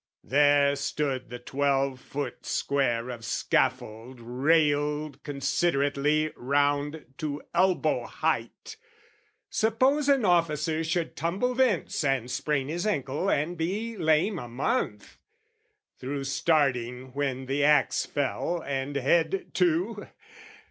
There stood the twelve foot square of scaffold, railed Considerately round to elbow height: (Suppose an officer should tumble thence And sprain his ankle and be lame a month, Through starting when the axe fell and head too?)